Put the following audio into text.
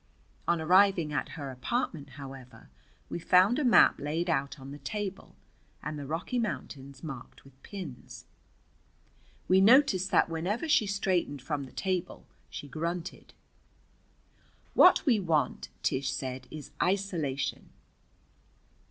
On arriving at her apartment, however, we found a map laid out on the table and the Rocky Mountains marked with pins. We noticed that whenever she straightened from the table she grunted. "What we want," Tish said, "is isolation.